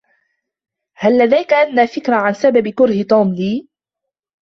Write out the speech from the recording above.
هل لديك أدنی فكرة عن سبب كره "توم" لي ؟